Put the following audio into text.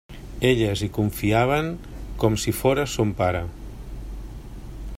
Elles hi confiaven com si fóra son pare.